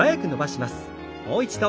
もう一度。